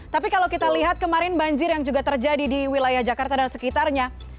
tapi kalau kita lihat kemarin banjir yang juga terjadi di wilayah jakarta dan sekitarnya